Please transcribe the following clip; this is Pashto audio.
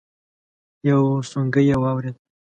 يو سونګی يې واورېد.